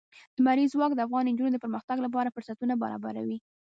لمریز ځواک د افغان نجونو د پرمختګ لپاره فرصتونه برابروي.